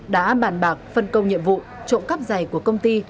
đã bàn bạc phân công nhiệm vụ trộm cắp giày của công ty